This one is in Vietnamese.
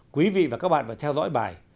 quý vị và các bạn phải theo dõi bài